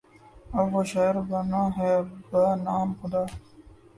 اب وہ شاعر بنا ہے بہ نام خدا